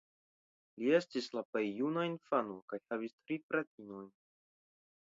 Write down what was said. Li estis la plej juna infano kaj havis tri fratinojn.